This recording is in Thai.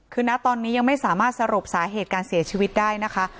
คือนะตอนนี้ยังไม่สามารถสรุปสาเหตุการเสียชีวิตได้นะคะ